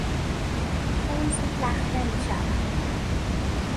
خون زود لخته میشود.